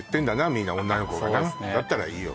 みんな女の子がなだったらいいよ